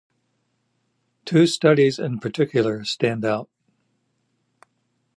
Two studies in particular stand out.